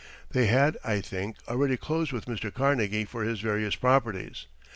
They had, I think, already closed with Mr. Carnegie for his various properties.